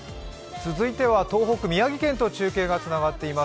続いては東北宮城県と中継がつながっています